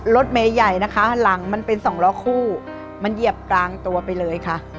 รถเมย์ใหญ่นะคะหลังมันเป็นสองล้อคู่มันเหยียบกลางตัวไปเลยค่ะ